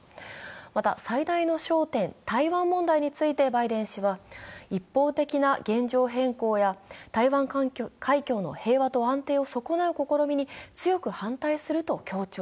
また、最大の焦点、台湾問題についてバイデン氏は一方的な現状変更や台湾海峡の平和と安定を損なう試みに強く反対すると強調。